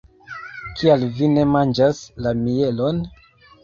Kial vi ne manĝas la mielon?